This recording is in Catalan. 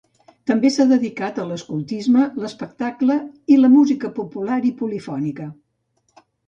També s'ha dedicat a l'escoltisme, l'espectacle i la música popular i polifònica.